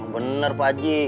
bener pak haji